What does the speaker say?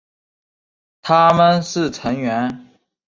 他们是成员。